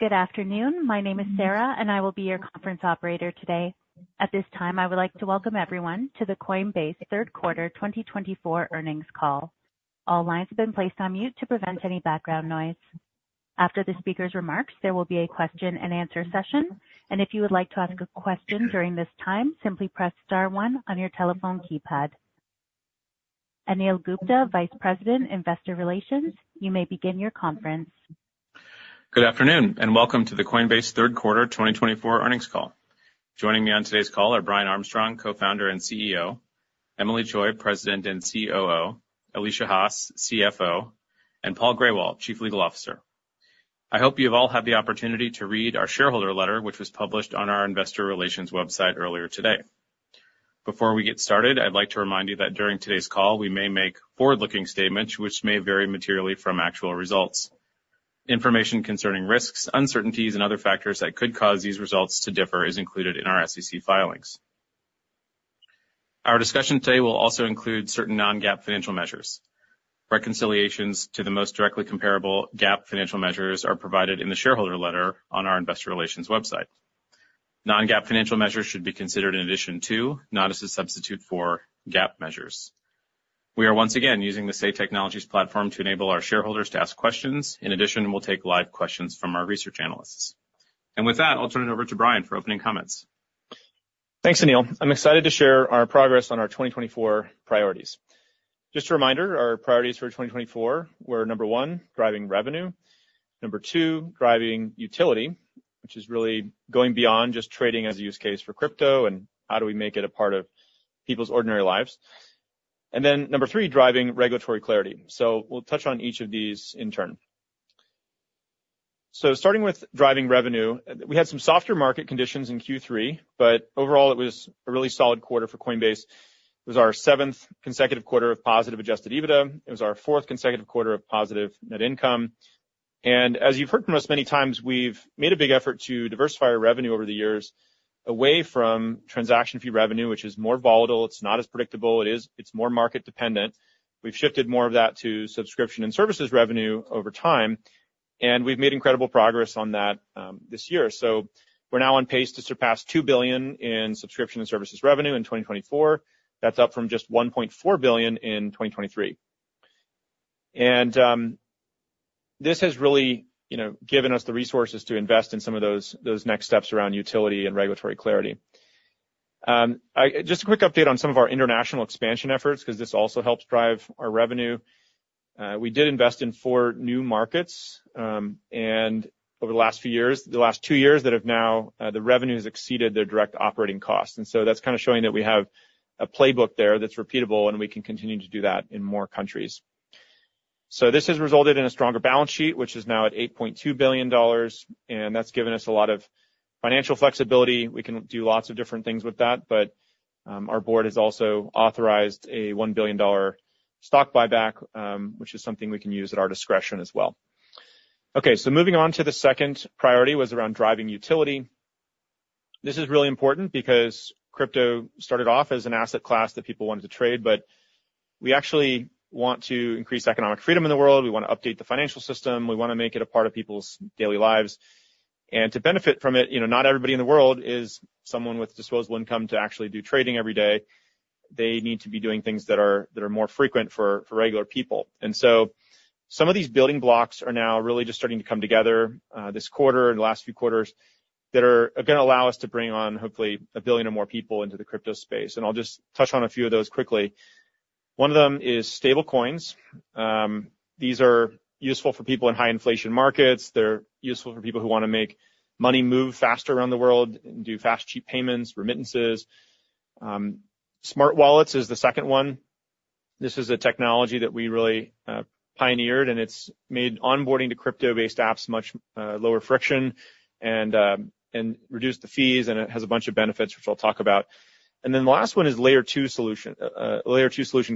Good afternoon. My name is Sarah, and I will be your conference operator today. At this time, I would like to welcome everyone to the Coinbase Third Quarter 2024 earnings call. All lines have been placed on mute to prevent any background noise. After the speaker's remarks, there will be a question-and-answer session, and if you would like to ask a question during this time, simply press star one on your telephone keypad. Anil Gupta, Vice President, Investor Relations, you may begin your conference. Good afternoon and welcome to the Coinbase Third Quarter 2024 earnings call. Joining me on today's call are Brian Armstrong, Co-founder and CEO, Emilie Choi, President and COO, Alesia Haas, CFO, and Paul Grewal, Chief Legal Officer. I hope you have all had the opportunity to read our shareholder letter, which was published on our Investor Relations website earlier today. Before we get started, I'd like to remind you that during today's call, we may make forward-looking statements, which may vary materially from actual results. Information concerning risks, uncertainties, and other factors that could cause these results to differ is included in our SEC filings. Our discussion today will also include certain non-GAAP financial measures. Reconciliations to the most directly comparable GAAP financial measures are provided in the shareholder letter on our Investor Relations website. Non-GAAP financial measures should be considered in addition to, not as a substitute for, GAAP measures. We are once again using the Say Technologies platform to enable our shareholders to ask questions. In addition, we'll take live questions from our research analysts, and with that, I'll turn it over to Brian for opening comments. Thanks, Anil. I'm excited to share our progress on our 2024 priorities. Just a reminder, our priorities for 2024 were, number one, driving revenue, number two, driving utility, which is really going beyond just trading as a use case for crypto and how do we make it a part of people's ordinary lives, and then number three, driving regulatory clarity. We'll touch on each of these in turn. Starting with driving revenue, we had some softer market conditions in Q3, but overall, it was a really solid quarter for Coinbase. It was our seventh consecutive quarter of positive Adjusted EBITDA. It was our fourth consecutive quarter of positive net income. And as you've heard from us many times, we've made a big effort to diversify our revenue over the years away from transaction fee revenue, which is more volatile. It's not as predictable. It's more market-dependent. We've shifted more of that to subscription and services revenue over time, and we've made incredible progress on that this year. So we're now on pace to surpass $2 billion in subscription and services revenue in 2024. That's up from just $1.4 billion in 2023. And this has really given us the resources to invest in some of those next steps around utility and regulatory clarity. Just a quick update on some of our international expansion efforts, because this also helps drive our revenue. We did invest in four new markets, and over the last few years, the last two years that have now, the revenue has exceeded their direct operating costs. And so that's kind of showing that we have a playbook there that's repeatable, and we can continue to do that in more countries. So this has resulted in a stronger balance sheet, which is now at $8.2 billion, and that's given us a lot of financial flexibility. We can do lots of different things with that, but our board has also authorized a $1 billion stock buyback, which is something we can use at our discretion as well. Okay, so moving on to the second priority was around driving utility. This is really important because crypto started off as an asset class that people wanted to trade, but we actually want to increase economic freedom in the world. We want to update the financial system. We want to make it a part of people's daily lives. And to benefit from it, not everybody in the world is someone with disposable income to actually do trading every day. They need to be doing things that are more frequent for regular people. So some of these building blocks are now really just starting to come together this quarter and the last few quarters that are going to allow us to bring on, hopefully, a billion or more people into the crypto space. I'll just touch on a few of those quickly. One of them is stablecoins. These are useful for people in high-inflation markets. They're useful for people who want to make money move faster around the world and do fast, cheap payments, remittances. smart wallets is the second one. This is a technology that we really pioneered, and it's made onboarding to crypto-based apps much lower friction and reduced the fees, and it has a bunch of benefits, which I'll talk about. Then the last one is Layer 2 solution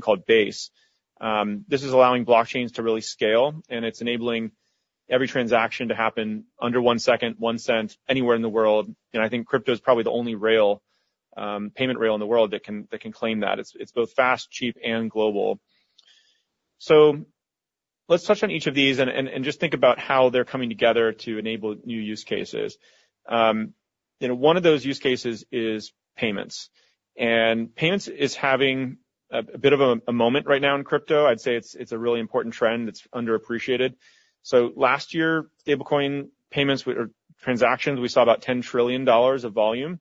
called Base. This is allowing blockchains to really scale, and it's enabling every transaction to happen under one second, one cent, anywhere in the world, and I think crypto is probably the only payment rail in the world that can claim that. It's both fast, cheap, and global, so let's touch on each of these and just think about how they're coming together to enable new use cases. One of those use cases is payments, and payments is having a bit of a moment right now in crypto. I'd say it's a really important trend that's underappreciated, so last year, stablecoin payments or transactions, we saw about $10 trillion of volume,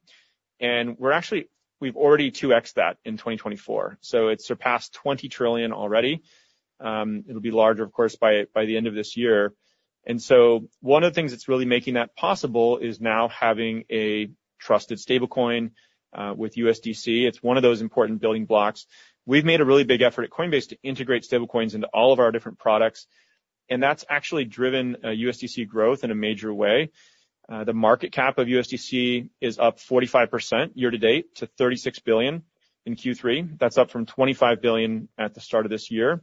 and we've already 2x'd that in 2024, so it surpassed $20 trillion already. It'll be larger, of course, by the end of this year. One of the things that's really making that possible is now having a trusted stablecoin with USDC. It's one of those important building blocks. We've made a really big effort at Coinbase to integrate stablecoins into all of our different products, and that's actually driven USDC growth in a major way. The market cap of USDC is up 45% year-to-date to $36 billion in Q3. That's up from $25 billion at the start of this year.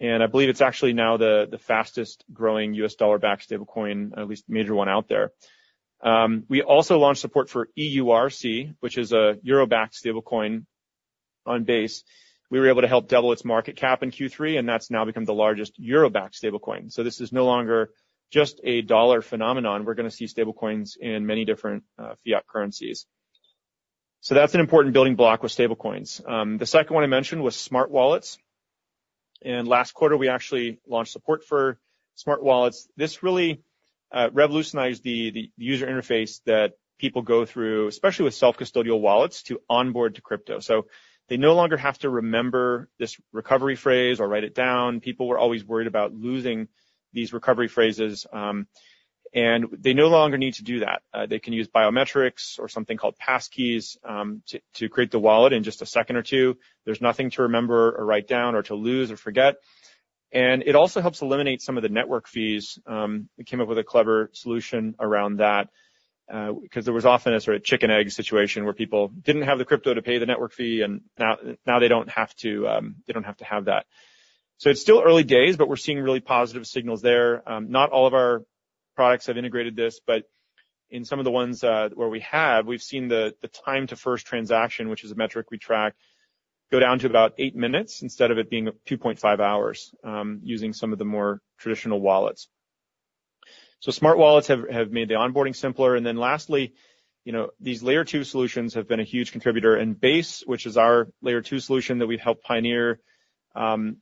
And I believe it's actually now the fastest-growing US dollar-backed stablecoin, at least major one out there. We also launched support for EURC, which is a euro-backed stablecoin on Base. We were able to help double its market cap in Q3, and that's now become the largest euro-backed stablecoin. So this is no longer just a dollar phenomenon. We're going to see stablecoins in many different fiat currencies. So that's an important building block with stablecoins. The second one I mentioned was smart wallets. And last quarter, we actually launched support for smart wallets. This really revolutionized the user interface that people go through, especially with self-custodial wallets, to onboard to crypto. So they no longer have to remember this recovery phrase or write it down. People were always worried about losing these recovery phrases, and they no longer need to do that. They can use biometrics or something called passkeys to create the wallet in just a second or two. There's nothing to remember or write down or to lose or forget. And it also helps eliminate some of the network fees. We came up with a clever solution around that because there was often a sort of chicken-egg situation where people didn't have the crypto to pay the network fee, and now they don't have to have that. So it's still early days, but we're seeing really positive signals there. Not all of our products have integrated this, but in some of the ones where we have, we've seen the time to first transaction, which is a metric we track, go down to about eight minutes instead of it being 2.5 hours using some of the more traditional wallets. So smart wallets have made the onboarding simpler. And then lastly, these Layer 2 solutions have been a huge contributor. And Base, which is our Layer 2 solution that we've helped pioneer and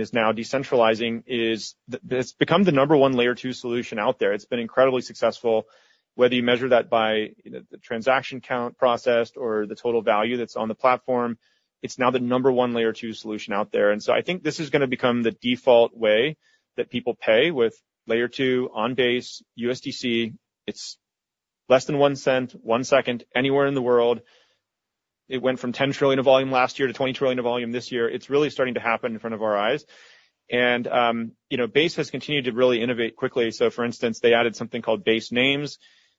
is now decentralizing, has become the number one Layer 2 solution out there. It's been incredibly successful, whether you measure that by the transaction count processed or the total value that's on the platform. It's now the number one Layer 2 solution out there, and so I think this is going to become the default way that people pay with Layer 2 on Base, USDC. It's less than one cent, one second, anywhere in the world. It went from $10 trillion of volume last year to $20 trillion of volume this year. It's really starting to happen in front of our eyes, and Base has continued to really innovate quickly, so for instance, they added something called Basenames,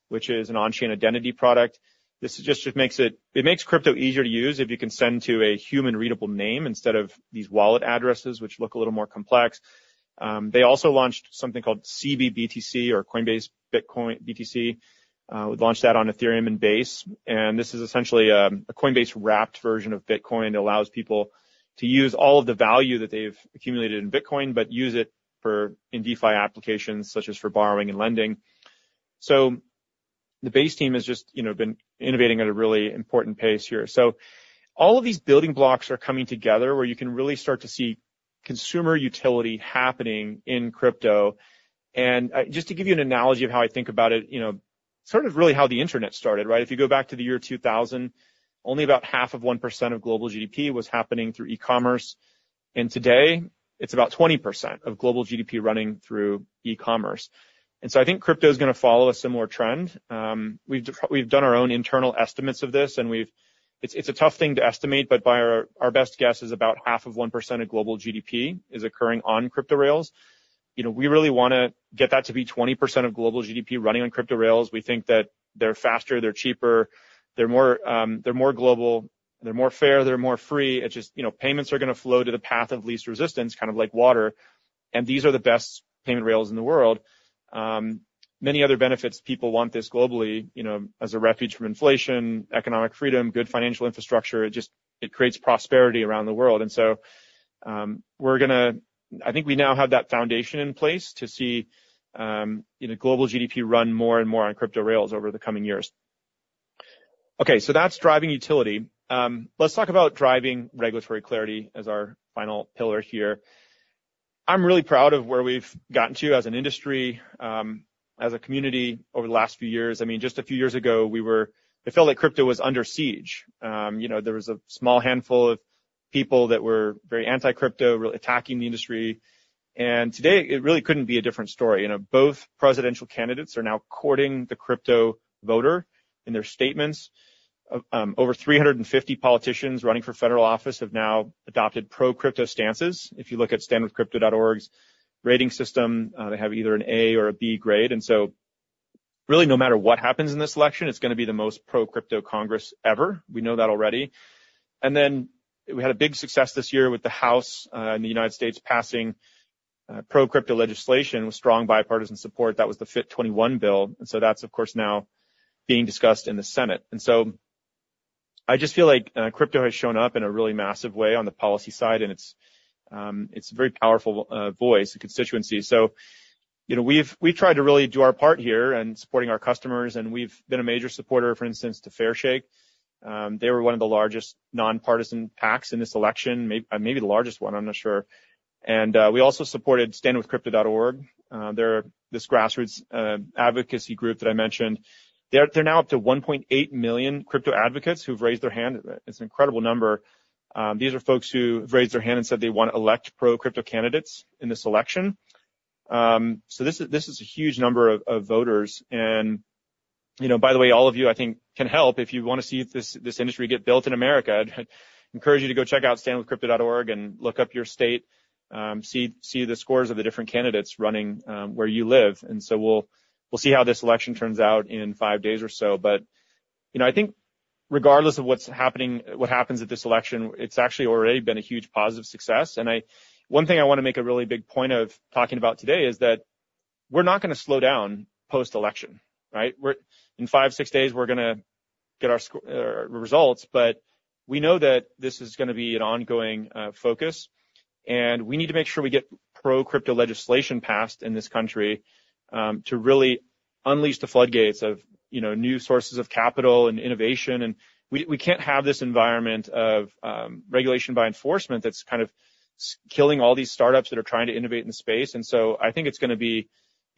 which is an on-chain identity product. This just makes crypto easier to use if you can send to a human-readable name instead of these wallet addresses, which look a little more complex. They also launched something called cbBTC or Coinbase Bitcoin BTC. We launched that on Ethereum and Base. And this is essentially a Coinbase wrapped version of Bitcoin. It allows people to use all of the value that they've accumulated in Bitcoin, but use it in DeFi applications such as for borrowing and lending. So the Base team has just been innovating at a really important pace here. So all of these building blocks are coming together where you can really start to see consumer utility happening in crypto. And just to give you an analogy of how I think about it, sort of really how the internet started, right? If you go back to the year 2000, only about 0.5% of global GDP was happening through e-commerce. And today, it's about 20% of global GDP running through e-commerce. And so I think crypto is going to follow a similar trend. We've done our own internal estimates of this, and it's a tough thing to estimate, but by our best guess, about 0.5% of global GDP is occurring on crypto rails. We really want to get that to be 20% of global GDP running on crypto rails. We think that they're faster, they're cheaper, they're more global, they're more fair, they're more free. It's just payments are going to flow to the path of least resistance, kind of like water. And these are the best payment rails in the world. Many other benefits. People want this globally as a refuge from inflation, economic freedom, good financial infrastructure. It creates prosperity around the world. And so we're going to, I think we now have that foundation in place to see global GDP run more and more on crypto rails over the coming years. Okay, so that's driving utility. Let's talk about driving regulatory clarity as our final pillar here. I'm really proud of where we've gotten to as an industry, as a community over the last few years. I mean, just a few years ago, it felt like crypto was under siege. There was a small handful of people that were very anti-crypto, really attacking the industry. Today, it really couldn't be a different story. Both presidential candidates are now courting the crypto voter in their statements. Over 350 politicians running for federal office have now adopted pro-crypto stances. If you look at StandWithCrypto.org's rating system, they have either an A or a B grade. So really, no matter what happens in this election, it's going to be the most pro-crypto Congress ever. We know that already. And then we had a big success this year with the House in the United States passing pro-crypto legislation with strong bipartisan support. That was the FIT21 bill. And so that's, of course, now being discussed in the Senate. And so I just feel like crypto has shown up in a really massive way on the policy side, and it's a very powerful voice, a constituency. So we've tried to really do our part here in supporting our customers, and we've been a major supporter, for instance, to Fairshake. They were one of the largest nonpartisan PACs in this election, maybe the largest one, I'm not sure. And we also supported StandWithCrypto.org, this grassroots advocacy group that I mentioned. They're now up to 1.8 million crypto advocates who've raised their hand. It's an incredible number. These are folks who've raised their hand and said they want to elect pro-crypto candidates in this election. So this is a huge number of voters. And by the way, all of you, I think, can help if you want to see this industry get built in America. I'd encourage you to go check out StandWithCrypto.org and look up your state, see the scores of the different candidates running where you live. And so we'll see how this election turns out in five days or so. But I think regardless of what's happening, what happens at this election, it's actually already been a huge positive success. And one thing I want to make a really big point of talking about today is that we're not going to slow down post-election, right? In five, six days, we're going to get our results, but we know that this is going to be an ongoing focus. And we need to make sure we get pro-crypto legislation passed in this country to really unleash the floodgates of new sources of capital and innovation. And we can't have this environment of regulation by enforcement that's kind of killing all these startups that are trying to innovate in the space. And so I think it's going to be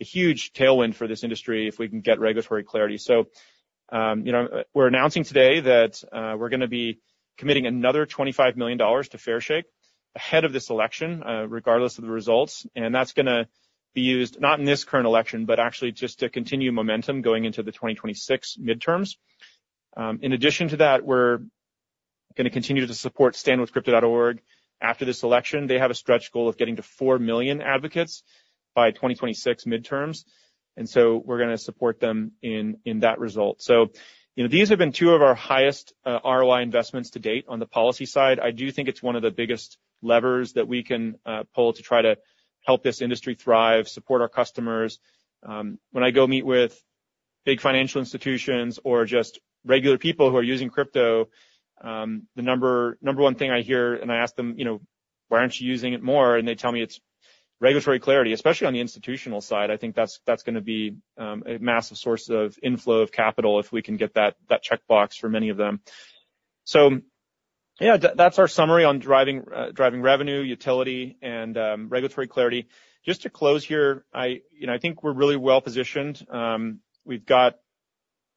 a huge tailwind for this industry if we can get regulatory clarity. So we're announcing today that we're going to be committing another $25 million to Fairshake ahead of this election, regardless of the results. And that's going to be used, not in this current election, but actually just to continue momentum going into the 2026 midterms. In addition to that, we're going to continue to support StandWithCrypto.org after this election. They have a stretch goal of getting to 4 million advocates by 2026 midterms. And so we're going to support them in that result. So these have been two of our highest ROI investments to date on the policy side. I do think it's one of the biggest levers that we can pull to try to help this industry thrive, support our customers. When I go meet with big financial institutions or just regular people who are using crypto, the number one thing I hear, and I ask them, "Why aren't you using it more?" And they tell me it's regulatory clarity, especially on the institutional side. I think that's going to be a massive source of inflow of capital if we can get that checkbox for many of them. So yeah, that's our summary on driving revenue, utility, and regulatory clarity. Just to close here, I think we're really well positioned. We've got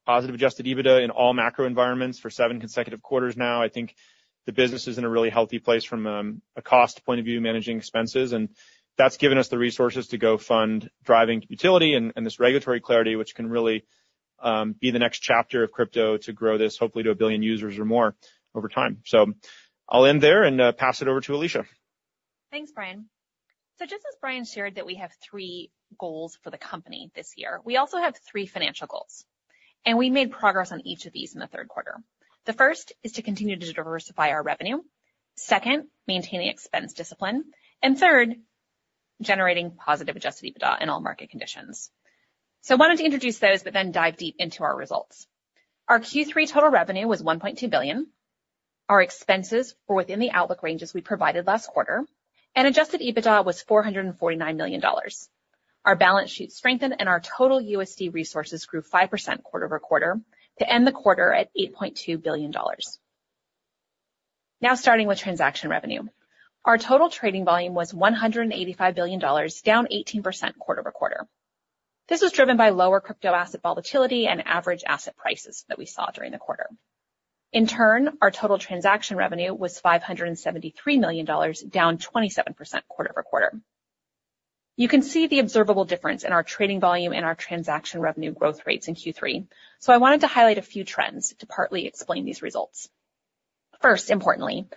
positive Adjusted EBITDA in all macro environments for seven consecutive quarters now. I think the business is in a really healthy place from a cost point of view, managing expenses. And that's given us the resources to go fund driving utility and this regulatory clarity, which can really be the next chapter of crypto to grow this, hopefully to a billion users or more over time. So I'll end there and pass it over to Alesia. Thanks, Brian. So just as Brian shared that we have three goals for the company this year, we also have three financial goals. And we made progress on each of these in the third quarter. The first is to continue to diversify our revenue. Second, maintaining expense discipline. Third, generating positive Adjusted EBITDA in all market conditions. I wanted to introduce those, but then dive deep into our results. Our Q3 total revenue was $1.2 billion. Our expenses were within the outlook ranges we provided last quarter. Adjusted EBITDA was $449 million. Our balance sheet strengthened and our total USD resources grew 5% quarter-over-quarter to end the quarter at $8.2 billion. Now, starting with transaction revenue. Our total trading volume was $185 billion, down 18% quarter-over-quarter. This was driven by lower crypto asset volatility and average asset prices that we saw during the quarter. In turn, our total transaction revenue was $573 million, down 27% quarter-over-quarter. You can see the observable difference in our trading volume and our transaction revenue growth rates in Q3. I wanted to highlight a few trends to partly explain these results. First, importantly,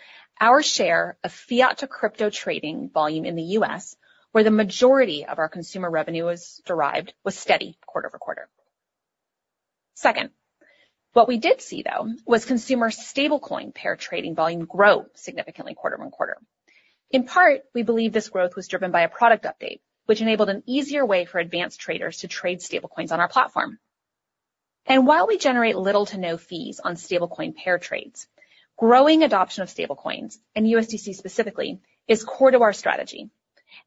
our share of fiat-to-crypto trading volume in the U.S., where the majority of our consumer revenue was derived, was steady quarter-over-quarter. Second, what we did see, though, was consumer stablecoin pair trading volume grow significantly quarter on quarter. In part, we believe this growth was driven by a product update, which enabled an easier way for advanced traders to trade stablecoins on our platform. And while we generate little to no fees on stablecoin pair trades, growing adoption of stablecoins, and USDC specifically, is core to our strategy,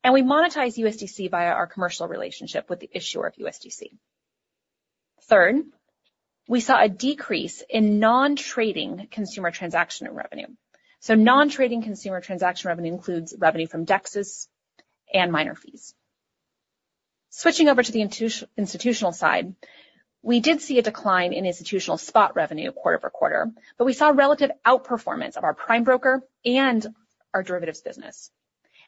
and we monetize USDC via our commercial relationship with the issuer of USDC. Third, we saw a decrease in non-trading consumer transaction revenue, so non-trading consumer transaction revenue includes revenue from DEXs and miner fees. Switching over to the institutional side, we did see a decline in institutional spot revenue quarter-over-quarter, but we saw relative outperformance of our prime broker and our derivatives business.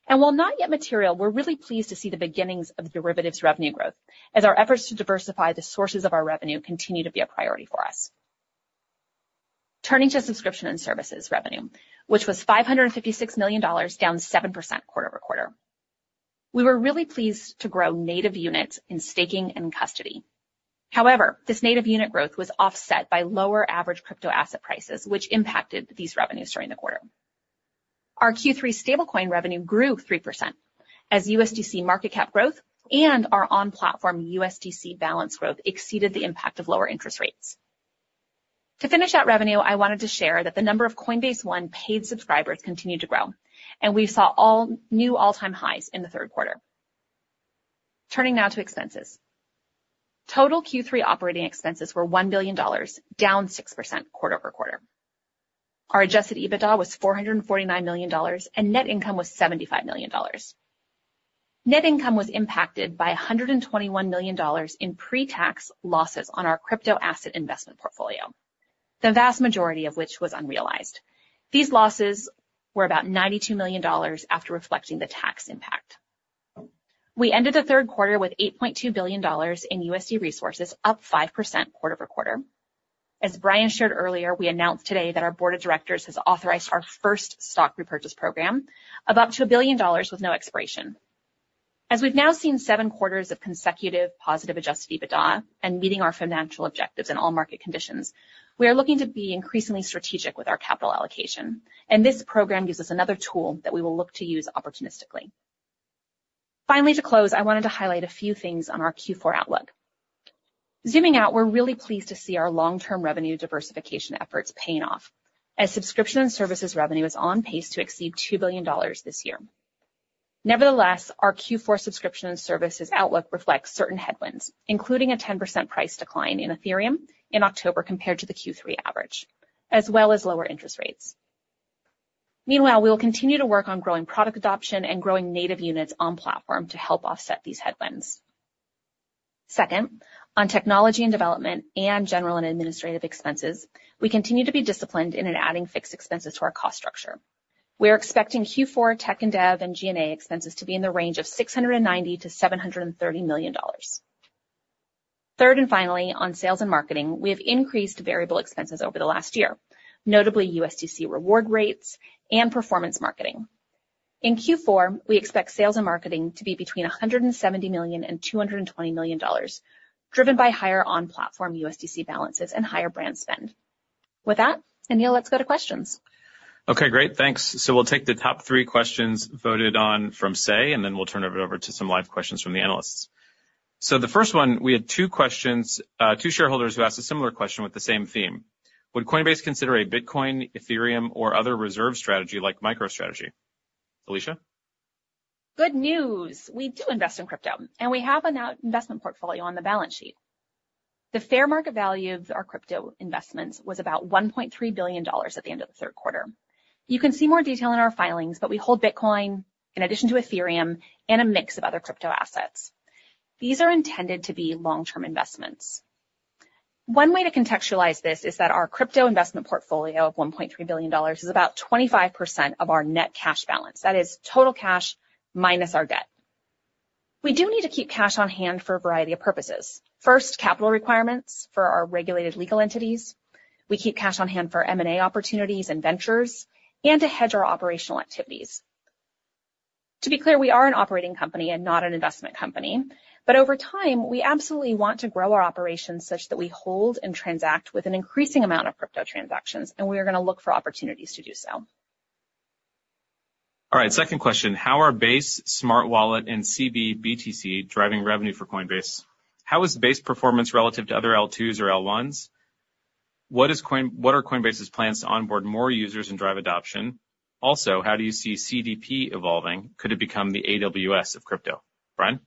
And while not yet material, we're really pleased to see the beginnings of derivatives revenue growth as our efforts to diversify the sources of our revenue continue to be a priority for us. Turning to subscription and services revenue, which was $556 million, down 7% quarter-over-quarter. We were really pleased to grow native units in staking and custody. However, this native unit growth was offset by lower average crypto asset prices, which impacted these revenues during the quarter. Our Q3 stablecoin revenue grew 3% as USDC market cap growth and our on-platform USDC balance growth exceeded the impact of lower interest rates. To finish out revenue, I wanted to share that the number of Coinbase One paid subscribers continued to grow, and we saw all new all-time highs in the third quarter. Turning now to expenses. Total Q3 operating expenses were $1 billion, down 6% quarter-over-quarter. Our Adjusted EBITDA was $449 million, and net income was $75 million. Net income was impacted by $121 million in pre-tax losses on our crypto asset investment portfolio, the vast majority of which was unrealized. These losses were about $92 million after reflecting the tax impact. We ended the third quarter with $8.2 billion in USD resources, up 5% quarter-over-quarter. As Brian shared earlier, we announced today that our board of directors has authorized our first stock repurchase program of up to $1 billion with no expiration. As we've now seen seven quarters of consecutive positive Adjusted EBITDA and meeting our financial objectives in all market conditions, we are looking to be increasingly strategic with our capital allocation. And this program gives us another tool that we will look to use opportunistically. Finally, to close, I wanted to highlight a few things on our Q4 outlook. Zooming out, we're really pleased to see our long-term revenue diversification efforts paying off as subscription and services revenue is on pace to exceed $2 billion this year. Nevertheless, our Q4 subscription and services outlook reflects certain headwinds, including a 10% price decline in Ethereum in October compared to the Q3 average, as well as lower interest rates. Meanwhile, we will continue to work on growing product adoption and growing native units on platform to help offset these headwinds. Second, on technology and development and general and administrative expenses, we continue to be disciplined in adding fixed expenses to our cost structure. We are expecting Q4 tech and dev and G&A expenses to be in the range of $690 million-$730 million. Third and finally, on sales and marketing, we have increased variable expenses over the last year, notably USDC reward rates and performance marketing. In Q4, we expect sales and marketing to be between $170 million-$220 million, driven by higher on-platform USDC balances and higher brand spend. With that, Anil, let's go to questions. Okay, great. Thanks. So we'll take the top three questions voted on from Say, and then we'll turn it over to some live questions from the analysts. So the first one, we had two questions, two shareholders who asked a similar question with the same theme. Would Coinbase consider a Bitcoin, Ethereum, or other reserve strategy like MicroStrategy? Alesia? Good news. We do invest in crypto, and we have an investment portfolio on the balance sheet. The fair market value of our crypto investments was about $1.3 billion at the end of the third quarter. You can see more detail in our filings, but we hold Bitcoin in addition to Ethereum and a mix of other crypto assets. These are intended to be long-term investments. One way to contextualize this is that our crypto investment portfolio of $1.3 billion is about 25% of our net cash balance. That is total cash minus our debt. We do need to keep cash on hand for a variety of purposes. First, capital requirements for our regulated legal entities. We keep cash on hand for M&A opportunities and ventures and to hedge our operational activities. To be clear, we are an operating company and not an investment company. But over time, we absolutely want to grow our operations such that we hold and transact with an increasing amount of crypto transactions, and we are going to look for opportunities to do so. All right, second question. How are Base, smart wallet, and cbBTC driving revenue for Coinbase? How is Base performance relative to other L2s or L1s? What are Coinbase's plans to onboard more users and drive adoption? Also, how do you see CDP evolving? Could it become the AWS of crypto? Brian?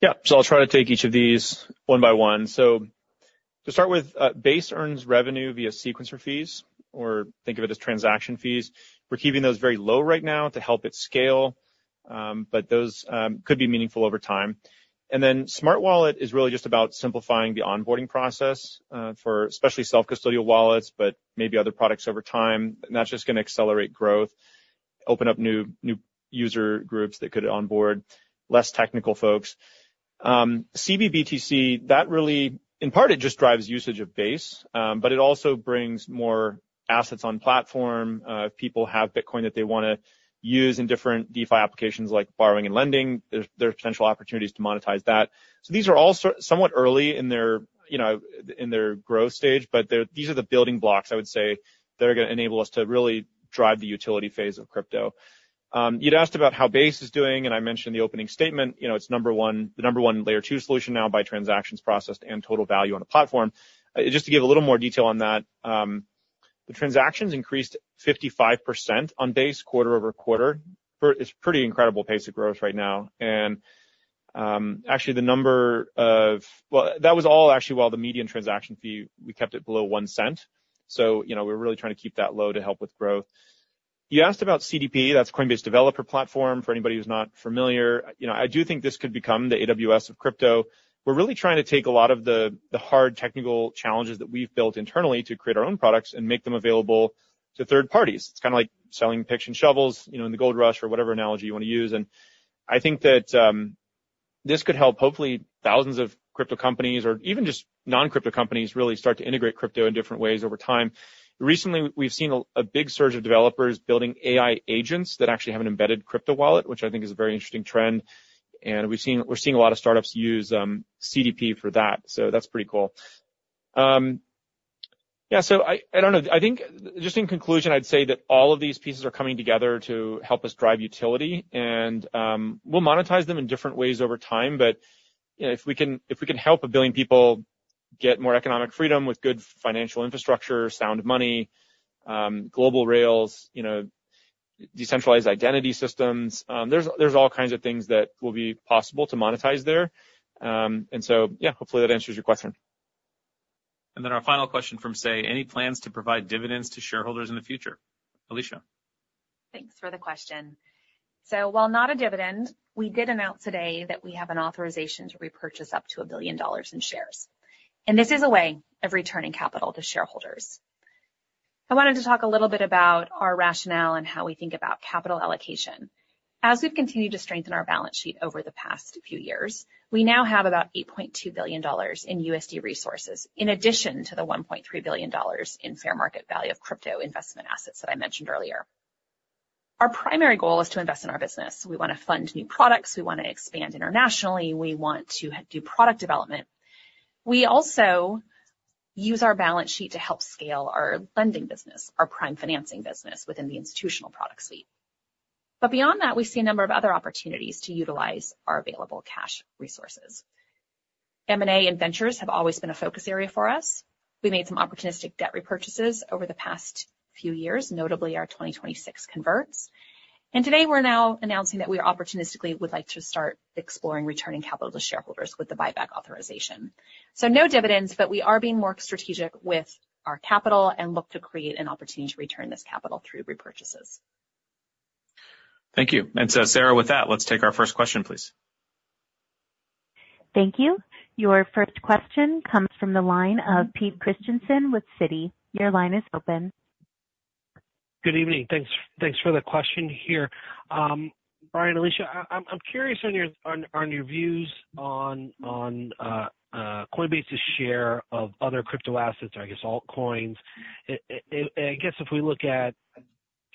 Yeah, so I'll try to take each of these one by one. So to start with, Base earns revenue via sequencer fees, or think of it as transaction fees. We're keeping those very low right now to help it scale, but those could be meaningful over time. Smart Wallet is really just about simplifying the onboarding process for especially self-custodial wallets, but maybe other products over time. That's just going to accelerate growth, open up new user groups that could onboard, less technical folks. cbBTC, that really, in part, it just drives usage of Base, but it also brings more assets on platform. If people have Bitcoin that they want to use in different DeFi applications like borrowing and lending, there's potential opportunities to monetize that. These are all somewhat early in their growth stage, but these are the building blocks, I would say, that are going to enable us to really drive the utility phase of crypto. You'd asked about how Base is doing, and I mentioned the opening statement. It's the number one Layer 2 solution now by transactions processed and total value on the platform. Just to give a little more detail on that, the transactions increased 55% on Base quarter-over-quarter. It's a pretty incredible pace of growth right now. And actually, the number of, well, that was all actually while the median transaction fee, we kept it below one cent. So we're really trying to keep that low to help with growth. You asked about CDP. That's Coinbase Developer Platform. For anybody who's not familiar, I do think this could become the AWS of crypto. We're really trying to take a lot of the hard technical challenges that we've built internally to create our own products and make them available to third parties. It's kind of like selling picks and shovels in the gold rush or whatever analogy you want to use. I think that this could help hopefully thousands of crypto companies or even just non-crypto companies really start to integrate crypto in different ways over time. Recently, we've seen a big surge of developers building AI agents that actually have an embedded crypto wallet, which I think is a very interesting trend. We're seeing a lot of startups use CDP for that. That's pretty cool. Yeah, so I don't know. I think just in conclusion, I'd say that all of these pieces are coming together to help us drive utility. We'll monetize them in different ways over time. If we can help a billion people get more economic freedom with good financial infrastructure, sound money, global rails, decentralized identity systems, there's all kinds of things that will be possible to monetize there. So, yeah, hopefully that answers your question. Our final question from Say, any plans to provide dividends to shareholders in the future? Alesia? Thanks for the question. While not a dividend, we did announce today that we have an authorization to repurchase up to $1 billion in shares. This is a way of returning capital to shareholders. I wanted to talk a little bit about our rationale and how we think about capital allocation. As we've continued to strengthen our balance sheet over the past few years, we now have about $8.2 billion in USD resources in addition to the $1.3 billion in fair market value of crypto investment assets that I mentioned earlier. Our primary goal is to invest in our business. We want to fund new products. We want to expand internationally. We want to do product development. We also use our balance sheet to help scale our lending business, our prime financing business within the institutional product suite. But beyond that, we see a number of other opportunities to utilize our available cash resources. M&A and ventures have always been a focus area for us. We made some opportunistic debt repurchases over the past few years, notably our 2026 converts. And today, we're now announcing that we opportunistically would like to start exploring returning capital to shareholders with the buyback authorization. So no dividends, but we are being more strategic with our capital and look to create an opportunity to return this capital through repurchases. Thank you. And so, Sarah, with that, let's take our first question, please. Thank you. Your first question comes from the line of Pete Christiansen with Citi. Your line is open. Good evening. Thanks for the question here. Brian and Alesia, I'm curious on your views on Coinbase's share of other crypto assets, I guess altcoins. I guess if we look at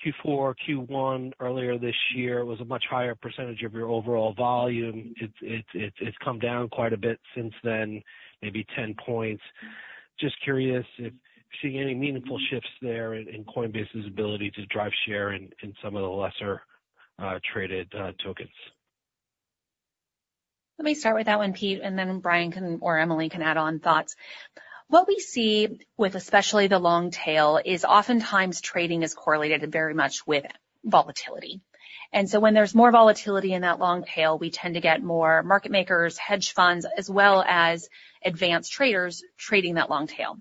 Q4, Q1 earlier this year, it was a much higher percentage of your overall volume. It's come down quite a bit since then, maybe 10 points. Just curious if you're seeing any meaningful shifts there in Coinbase's ability to drive share in some of the lesser traded tokens. Let me start with that one, Pete, and then Brian or Emilie can add on thoughts. What we see with especially the long tail is oftentimes trading is correlated very much with volatility. And so when there's more volatility in that long tail, we tend to get more market makers, hedge funds, as well as advanced traders trading that long tail.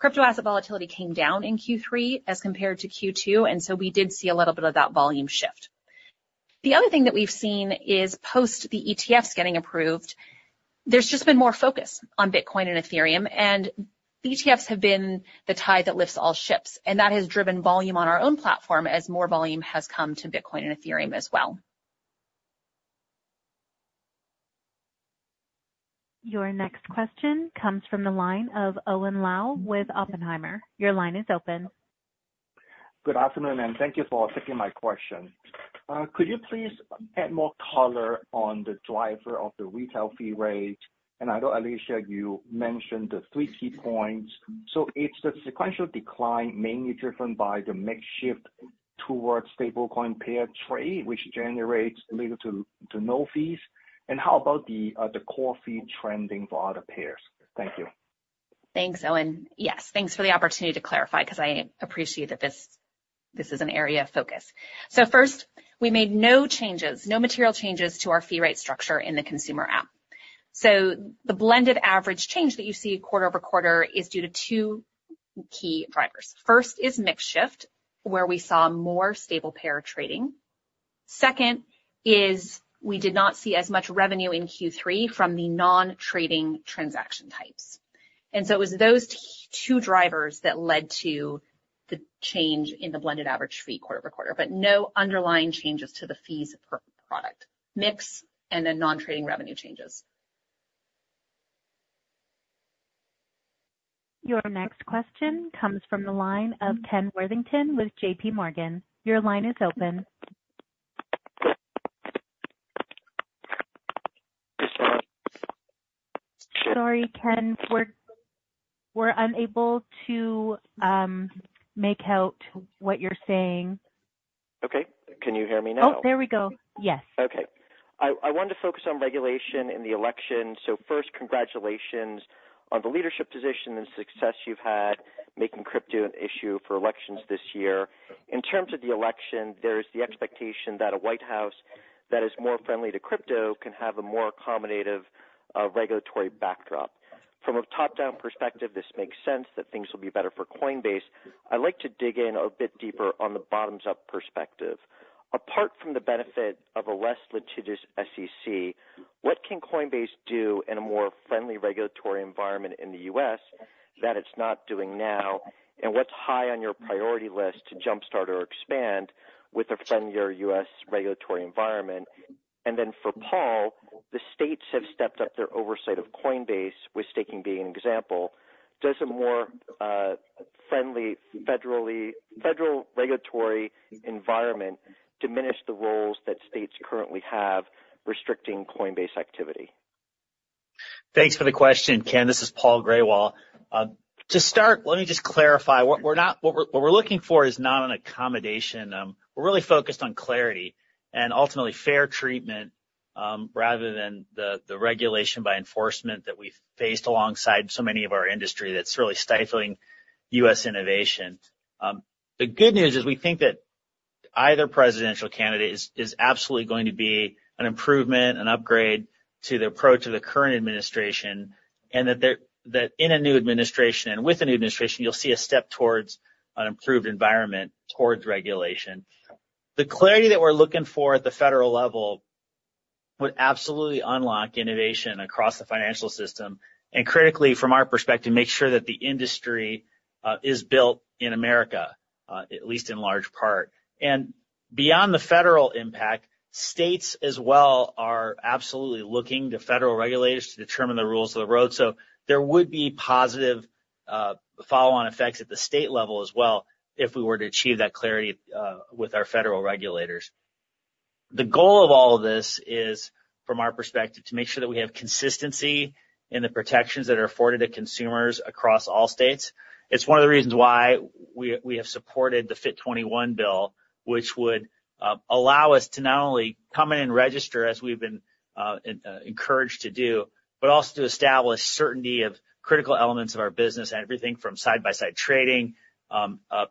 Crypto asset volatility came down in Q3 as compared to Q2, and so we did see a little bit of that volume shift. The other thing that we've seen is post the ETFs getting approved, there's just been more focus on Bitcoin and Ethereum, and ETFs have been the tide that lifts all ships. And that has driven volume on our own platform as more volume has come to Bitcoin and Ethereum as well. Your next question comes from the line of Owen Lau with Oppenheimer. Your line is open. Good afternoon, and thank you for taking my question. Could you please add more color on the driver of the retail fee rate? And I know, Alesia, you mentioned the three key points. So it's the sequential decline mainly driven by the mix shift towards stablecoin pair trade, which generates little to no fees. And how about the core fee trending for other pairs? Thank you. Thanks, Owen. Yes, thanks for the opportunity to clarify because I appreciate that this is an area of focus. So first, we made no changes, no material changes to our fee rate structure in the consumer app. So the blended average change that you see quarter-over-quarter is due to two key drivers. First is mix shift, where we saw more stable pair trading. Second is we did not see as much revenue in Q3 from the non-trading transaction types. And so it was those two drivers that led to the change in the blended average fee quarter-over-quarter, but no underlying changes to the fees per product mix and then non-trading revenue changes. Your next question comes from the line of Ken Worthington with J.P. Morgan. Your line is open. Sorry, Ken, we're unable to make out what you're saying. Okay. Can you hear me now? Oh, there we go. Yes. Okay. I wanted to focus on regulation in the election. So first, congratulations on the leadership position and success you've had making crypto an issue for elections this year. In terms of the election, there is the expectation that a White House that is more friendly to crypto can have a more accommodative regulatory backdrop. From a top-down perspective, this makes sense that things will be better for Coinbase. I'd like to dig in a bit deeper on the bottoms-up perspective. Apart from the benefit of a less litigious SEC, what can Coinbase do in a more friendly regulatory environment in the U.S. that it's not doing now? And what's high on your priority list to jump-start or expand with a friendlier U.S. regulatory environment? And then for Paul, the states have stepped up their oversight of Coinbase, with staking being an example. Does a more friendly federal regulatory environment diminish the roles that states currently have restricting Coinbase activity? Thanks for the question. Ken, this is Paul Grewal. To start, let me just clarify. What we're looking for is not an accommodation. We're really focused on clarity and ultimately fair treatment rather than the regulation by enforcement that we've faced alongside so many of our industry that's really stifling U.S. innovation. The good news is we think that either presidential candidate is absolutely going to be an improvement, an upgrade to the approach of the current administration, and that in a new administration and with a new administration, you'll see a step towards an improved environment towards regulation. The clarity that we're looking for at the federal level would absolutely unlock innovation across the financial system and, critically, from our perspective, make sure that the industry is built in America, at least in large part. And beyond the federal impact, states as well are absolutely looking to federal regulators to determine the rules of the road. So there would be positive follow-on effects at the state level as well if we were to achieve that clarity with our federal regulators. The goal of all of this is, from our perspective, to make sure that we have consistency in the protections that are afforded to consumers across all states. It's one of the reasons why we have supported the FIT21 bill, which would allow us to not only come in and register, as we've been encouraged to do, but also to establish certainty of critical elements of our business and everything from side-by-side trading,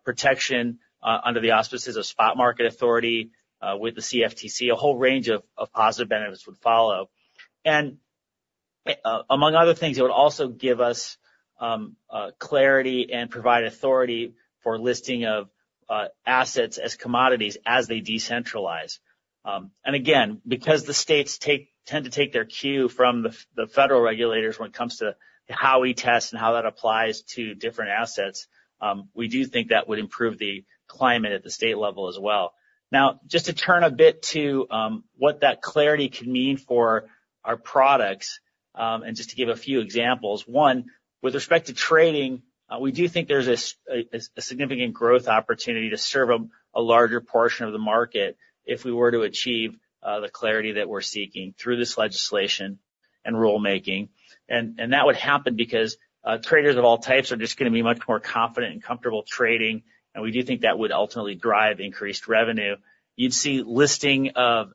protection under the auspices of spot market authority with the CFTC, a whole range of positive benefits would follow, and among other things, it would also give us clarity and provide authority for listing of assets as commodities as they decentralize, and again, because the states tend to take their cue from the federal regulators when it comes to how we test and how that applies to different assets, we do think that would improve the climate at the state level as well. Now, just to turn a bit to what that clarity can mean for our products and just to give a few examples. One, with respect to trading, we do think there's a significant growth opportunity to serve a larger portion of the market if we were to achieve the clarity that we're seeking through this legislation and rulemaking, and that would happen because traders of all types are just going to be much more confident and comfortable trading, and we do think that would ultimately drive increased revenue. You'd see listing of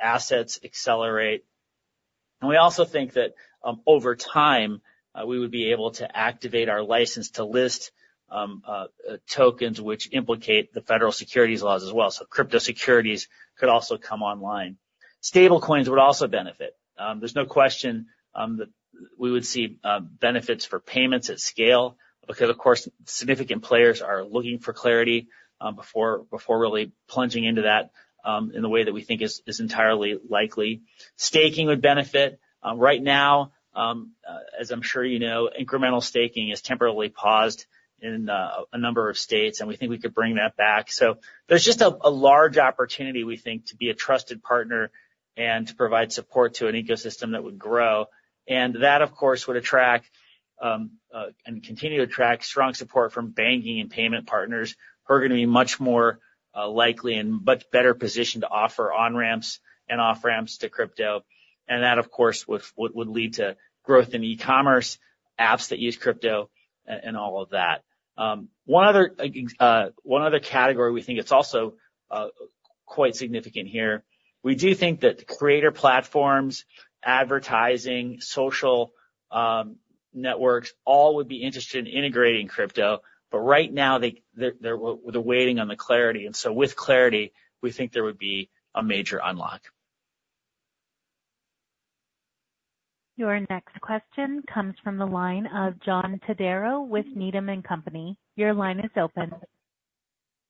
assets accelerate, and we also think that over time, we would be able to activate our license to list tokens, which implicate the federal securities laws as well, so crypto securities could also come online. Stablecoins would also benefit. There's no question that we would see benefits for payments at scale because, of course, significant players are looking for clarity before really plunging into that in the way that we think is entirely likely. Staking would benefit. Right now, as I'm sure you know, incremental staking is temporarily paused in a number of states, and we think we could bring that back. So there's just a large opportunity, we think, to be a trusted partner and to provide support to an ecosystem that would grow. And that, of course, would attract and continue to attract strong support from banking and payment partners. We're going to be much more likely and much better positioned to offer on-ramps and off-ramps to crypto. And that, of course, would lead to growth in e-commerce, apps that use crypto, and all of that. One other category we think it's also quite significant here. We do think that creator platforms, advertising, social networks all would be interested in integrating crypto. But right now, they're waiting on the clarity. And so with clarity, we think there would be a major unlock. Your next question comes from the line of John Todaro with Needham & Company. Your line is open.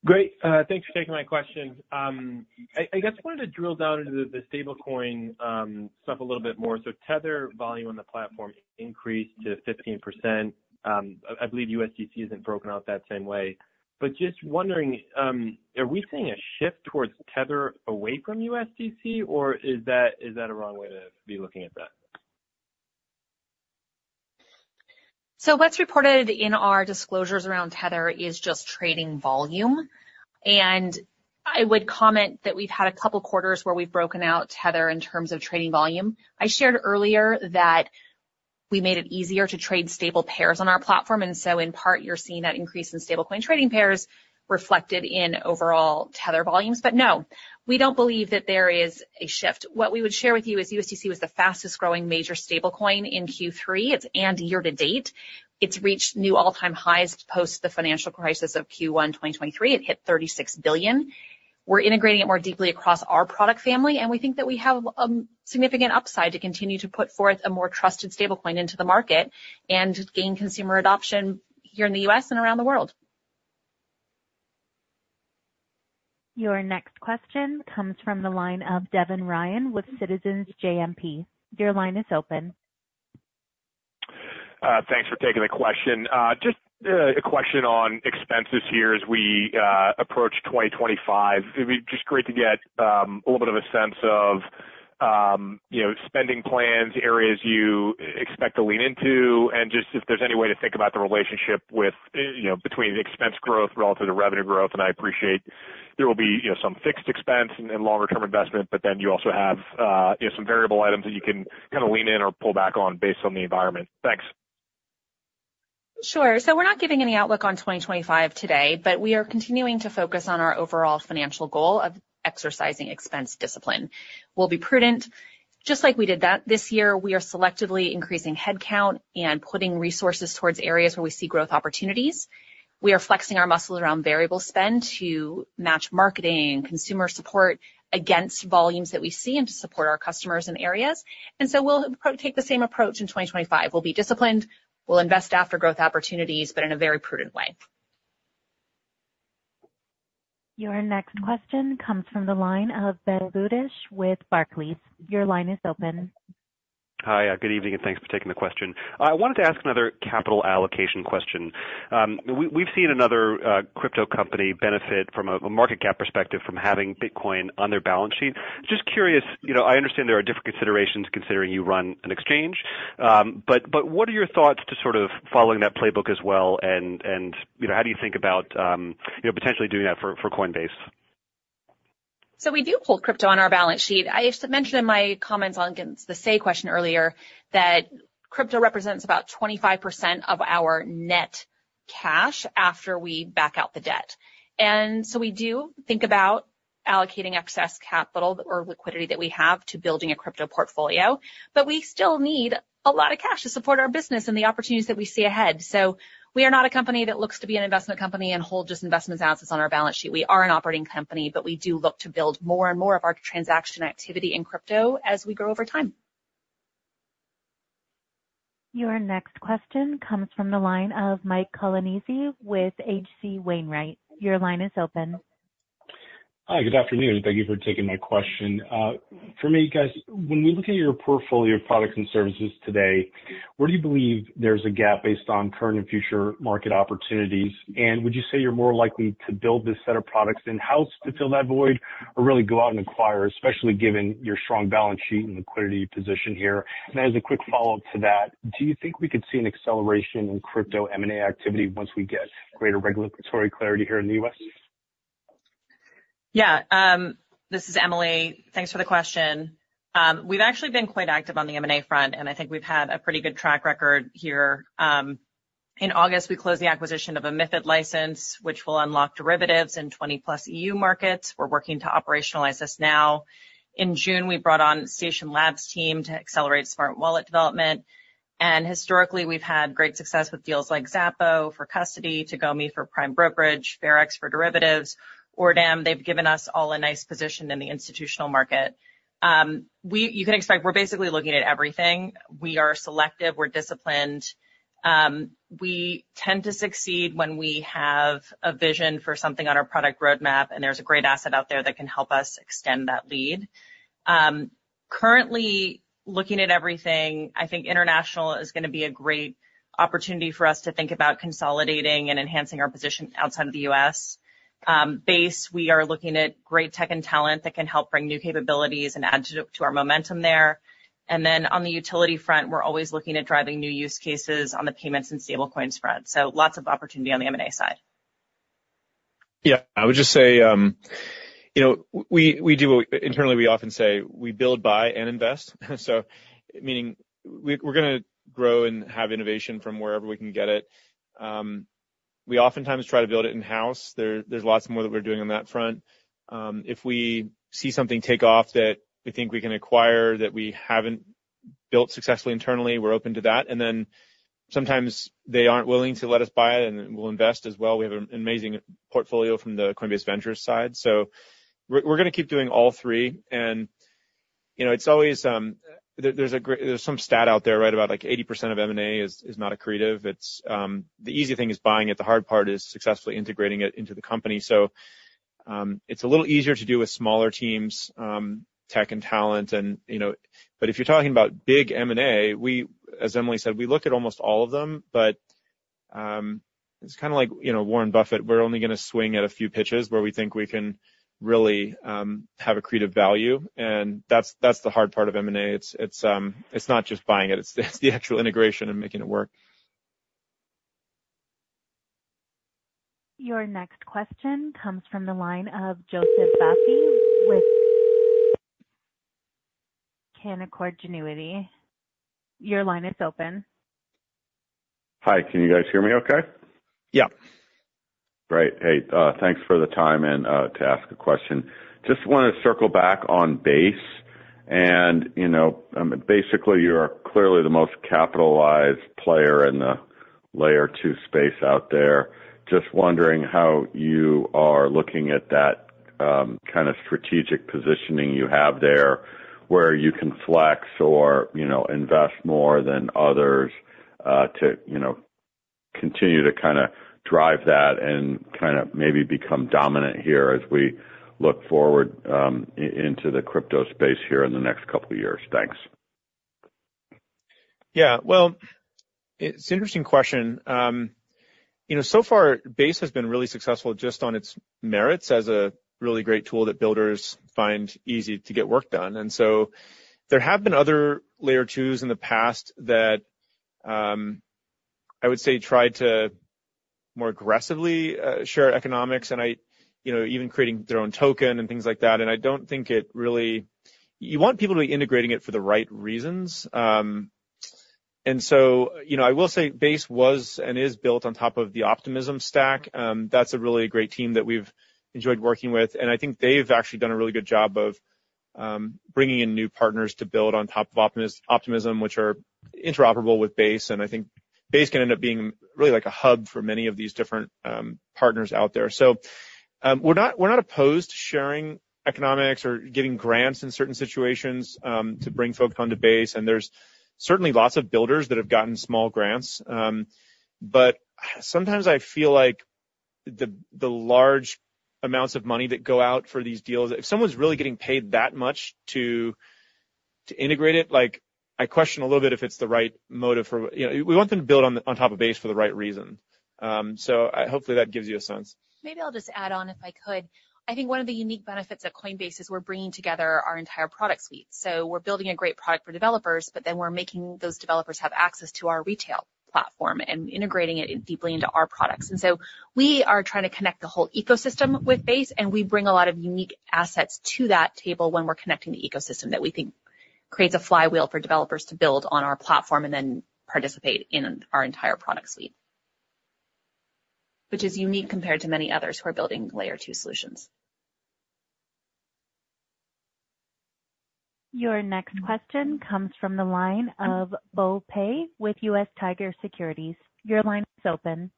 Great. Thanks for taking my question. I guess I wanted to drill down into the stablecoin stuff a little bit more. So Tether volume on the platform increased to 15%. I believe USDC hasn't broken out that same way. But just wondering, are we seeing a shift towards Tether away from USDC, or is that a wrong way to be looking at that? So what's reported in our disclosures around Tether is just trading volume. And I would comment that we've had a couple of quarters where we've broken out Tether in terms of trading volume. I shared earlier that we made it easier to trade stable pairs on our platform. And so in part, you're seeing that increase in stablecoin trading pairs reflected in overall Tether volumes. But no, we don't believe that there is a shift. What we would share with you is USDC was the fastest-growing major stablecoin in Q3, and year to date. It's reached new all-time highs post the financial crisis of Q1 2023. It hit $36 billion. We're integrating it more deeply across our product family, and we think that we have a significant upside to continue to put forth a more trusted stablecoin into the market and gain consumer adoption here in the U.S. and around the world. Your next question comes from the line of Devin Ryan with Citizens JMP. Your line is open. Thanks for taking the question. Just a question on expenses here as we approach 2025. It'd be just great to get a little bit of a sense of spending plans, areas you expect to lean into, and just if there's any way to think about the relationship between expense growth relative to revenue growth, and I appreciate there will be some fixed expense and longer-term investment, but then you also have some variable items that you can kind of lean in or pull back on based on the environment. Thanks. Sure, so we're not giving any outlook on 2025 today, but we are continuing to focus on our overall financial goal of exercising expense discipline. We'll be prudent. Just like we did this year, we are selectively increasing headcount and putting resources towards areas where we see growth opportunities. We are flexing our muscles around variable spend to match marketing and consumer support against volumes that we see and to support our customers in areas. So we'll take the same approach in 2025. We'll be disciplined. We'll invest after growth opportunities, but in a very prudent way. Your next question comes from the line of Ben Budish with Barclays. Your line is open. Hi, good evening, and thanks for taking the question. I wanted to ask another capital allocation question. We've seen another crypto company benefit from a market cap perspective from having Bitcoin on their balance sheet. Just curious, I understand there are different considerations considering you run an exchange. But what are your thoughts to sort of following that playbook as well? And how do you think about potentially doing that for Coinbase? So we do hold crypto on our balance sheet. I mentioned in my comments on the SEC question earlier that crypto represents about 25% of our net cash after we back out the debt. And so we do think about allocating excess capital or liquidity that we have to building a crypto portfolio. But we still need a lot of cash to support our business and the opportunities that we see ahead. So we are not a company that looks to be an investment company and hold just investment assets on our balance sheet. We are an operating company, but we do look to build more and more of our transaction activity in crypto as we grow over time. Your next question comes from the line of Mike Colonnese with H.C. Wainwright. Your line is open. Hi, good afternoon. Thank you for taking my question. For me, guys, when we look at your portfolio of products and services today, where do you believe there's a gap based on current and future market opportunities? Would you say you're more likely to build this set of products in-house to fill that void or really go out and acquire, especially given your strong balance sheet and liquidity position here? As a quick follow-up to that, do you think we could see an acceleration in crypto M&A activity once we get greater regulatory clarity here in the U.S.? Yeah. This is Emilie. Thanks for the question. We've actually been quite active on the M&A front, and I think we've had a pretty good track record here. In August, we closed the acquisition of a MiFID license, which will unlock derivatives in 20 + E.U. markets. We're working to operationalize this now. In June, we brought on Station Labs' team to accelerate smart wallet development. Historically, we've had great success with deals like Xapo for custody, Tagomi for prime brokerage, FairX for derivatives. ORDAM, they've given us all a nice position in the institutional market. You can expect we're basically looking at everything. We are selective. We're disciplined. We tend to succeed when we have a vision for something on our product roadmap, and there's a great asset out there that can help us extend that lead. Currently, looking at everything, I think international is going to be a great opportunity for us to think about consolidating and enhancing our position outside of the U.S. Base, we are looking at great tech and talent that can help bring new capabilities and add to our momentum there. And then on the utility front, we're always looking at driving new use cases on the payments and stablecoin spread. So lots of opportunity on the M&A side. Yeah. I would just say we do internally, we often say we build, buy, and invest. So, meaning we're going to grow and have innovation from wherever we can get it. We oftentimes try to build it in-house. There's lots more that we're doing on that front. If we see something take off that we think we can acquire that we haven't built successfully internally, we're open to that. And then sometimes they aren't willing to let us buy it, and we'll invest as well. We have an amazing portfolio from the Coinbase Ventures side. So we're going to keep doing all three. And it's always there's some stat out there, right, about like 80% of M&A is not accretive. The easy thing is buying it. The hard part is successfully integrating it into the company. So it's a little easier to do with smaller teams, tech and talent. But if you're talking about big M&A, as Emilie said, we look at almost all of them. But it's kind of like Warren Buffett. We're only going to swing at a few pitches where we think we can really have accretive value. And that's the hard part of M&A. It's not just buying it. It's the actual integration and making it work. Your next question comes from the line of Joseph Vafi with Canaccord Genuity. Your line is open. Hi. Can you guys hear me okay? Yeah. Great. Hey, thanks for the time and to ask a question. Just wanted to circle back on Base. And basically, you're clearly the most capitalized player in the Layer 2 space out there. Just wondering how you are looking at that kind of strategic positioning you have there where you can flex or invest more than others to continue to kind of drive that and kind of maybe become dominant here as we look forward into the crypto space here in the next couple of years. Thanks. Yeah. Well, it's an interesting question. So far, Base has been really successful just on its merits as a really great tool that builders find easy to get work done. And so there have been other Layer 2s in the past that I would say tried to more aggressively share economics and even creating their own token and things like that. And I don't think it really you want people to be integrating it for the right reasons. And so I will say Base was and is built on top of the Optimism Stack. That's a really great team that we've enjoyed working with. And I think they've actually done a really good job of bringing in new partners to build on top of Optimism, which are interoperable with Base. And I think Base can end up being really like a hub for many of these different partners out there. So we're not opposed to sharing economics or giving grants in certain situations to bring folks onto Base. And there's certainly lots of builders that have gotten small grants. But sometimes I feel like the large amounts of money that go out for these deals, if someone's really getting paid that much to integrate it, I question a little bit if it's the right motive for we want them to build on top of Base for the right reason. So hopefully that gives you a sense. Maybe I'll just add on if I could. I think one of the unique benefits of Coinbase is we're bringing together our entire product suite. So we're building a great product for developers, but then we're making those developers have access to our retail platform and integrating it deeply into our products. And so we are trying to connect the whole ecosystem with Base, and we bring a lot of unique assets to that table when we're connecting the ecosystem that we think creates a flywheel for developers to build on our platform and then participate in our entire product suite, which is unique compared to many others who are building Layer 2 solutions. Your next question comes from the line of Bo Pei with US Tiger Securities. Your line is open.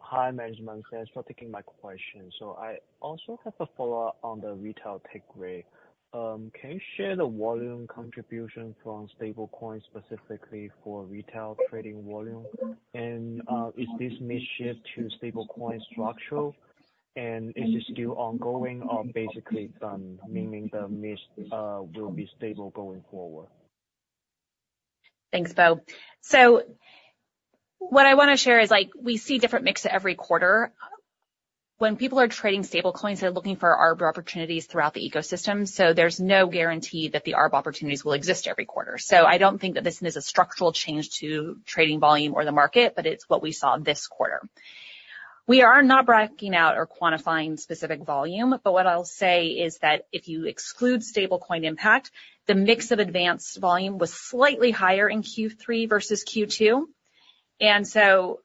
Hi, my name is Bo Pei. I'm still taking my question. So I also have a follow-up on the retail take rate. Can you share the volume contribution from stablecoin specifically for retail trading volume? And is this mix shift to stablecoin structure? And is it still ongoing or basically done, meaning the mix will be stable going forward? Thanks, Bo. So what I want to share is we see different mix every quarter. When people are trading stablecoins, they're looking for ARB opportunities throughout the ecosystem. So there's no guarantee that the ARB opportunities will exist every quarter. So I don't think that this is a structural change to trading volume or the market, but it's what we saw this quarter. We are not breaking out or quantifying specific volume, but what I'll say is that if you exclude stablecoin impact, the mix of advanced volume was slightly higher in Q3 versus Q2. And so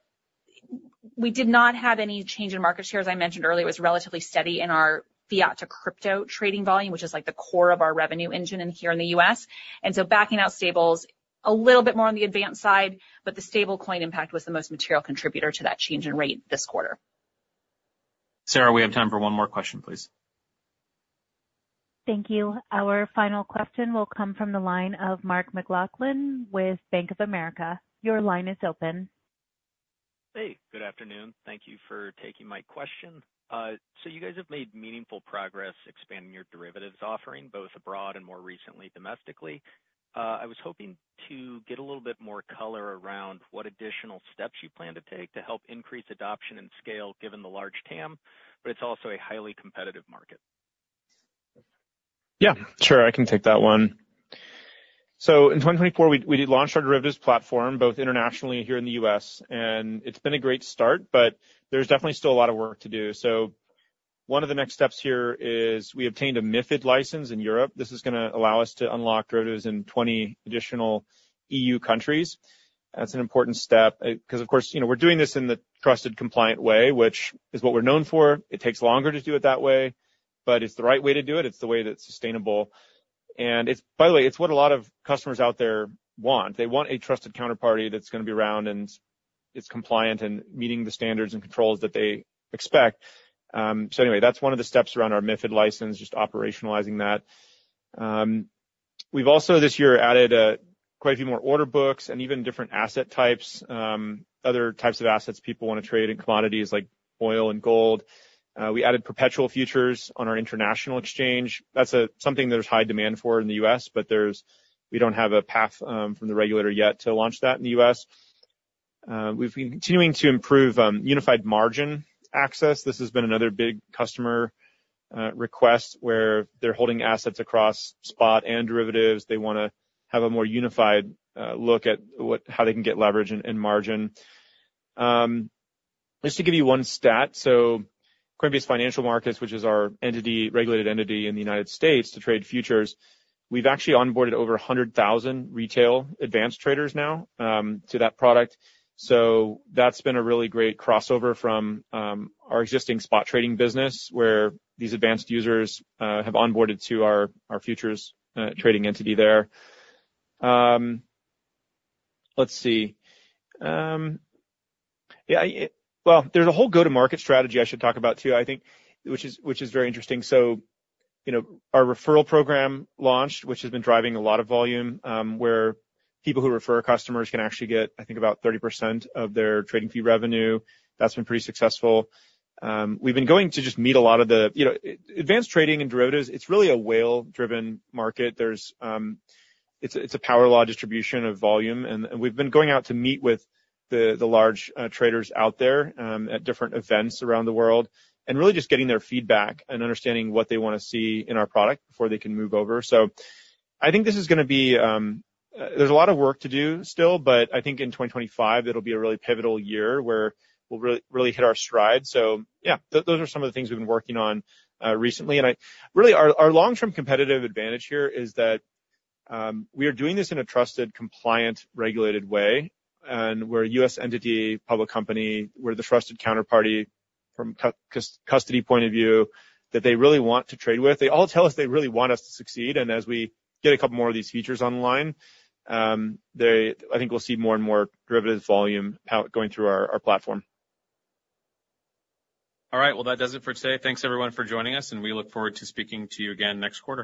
we did not have any change in market share. As I mentioned earlier, it was relatively steady in our fiat-to-crypto trading volume, which is like the core of our revenue engine in here in the U.S., and so backing out stables a little bit more on the advanced side, but the stablecoin impact was the most material contributor to that change in rate this quarter. Sarah, we have time for one more question, please. Thank you. Our final question will come from the line of Mark McLaughlin with Bank of America. Your line is open. Hey, good afternoon. Thank you for taking my question. So you guys have made meaningful progress expanding your derivatives offering, both abroad and more recently domestically. I was hoping to get a little bit more color around what additional steps you plan to take to help increase adoption and scale given the large TAM, but it's also a highly competitive market. Yeah, sure. I can take that one, so in 2024, we launched our derivatives platform both internationally and here in the U.S. And it's been a great start, but there's definitely still a lot of work to do, so one of the next steps here is we obtained a MiFID license in Europe. This is going to allow us to unlock derivatives in 20 additional E.U. countries. That's an important step because, of course, we're doing this in the trusted, compliant way, which is what we're known for. It takes longer to do it that way, but it's the right way to do it. It's the way that's sustainable, and by the way, it's what a lot of customers out there want. They want a trusted counterparty that's going to be around and it's compliant and meeting the standards and controls that they expect. So anyway, that's one of the steps around our MiFID license, just operationalizing that. We've also this year added quite a few more order books and even different asset types, other types of assets people want to trade in commodities like oil and gold. We added perpetual futures on our international exchange. That's something there's high demand for in the U.S., but we don't have a path from the regulator yet to launch that in the U.S. We've been continuing to improve unified margin access. This has been another big customer request where they're holding assets across spot and derivatives. They want to have a more unified look at how they can get leverage and margin. Just to give you one stat, so Coinbase Financial Markets, which is our regulated entity in the United States to trade futures, we've actually onboarded over 100,000 retail advanced traders now to that product. That's been a really great crossover from our existing spot trading business where these advanced users have onboarded to our futures trading entity there. Let's see. Yeah. Well, there's a whole go-to-market strategy I should talk about too, I think, which is very interesting. Our referral program launched, which has been driving a lot of volume, where people who refer customers can actually get, I think, about 30% of their trading fee revenue. That's been pretty successful. We've been going to just meet a lot of the advanced trading and derivatives. It's really a whale-driven market. It's a power law distribution of volume. We've been going out to meet with the large traders out there at different events around the world and really just getting their feedback and understanding what they want to see in our product before they can move over. So I think this is going to be, there's a lot of work to do still, but I think in 2025, it'll be a really pivotal year where we'll really hit our stride. So yeah, those are some of the things we've been working on recently. And really, our long-term competitive advantage here is that we are doing this in a trusted, compliant, regulated way. And we're a U.S. entity, public company. We're the trusted counterparty from a custody point of view that they really want to trade with. They all tell us they really want us to succeed. And as we get a couple more of these features online, I think we'll see more and more derivatives volume going through our platform. All right. Well, that does it for today. Thanks, everyone, for joining us. And we look forward to speaking to you again next quarter.